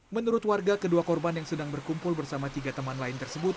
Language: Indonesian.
menurut warga kedua korban yang sedang berkumpul bersama tiga teman lain tersebut